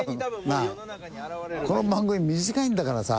なあこの番組短いんだからさ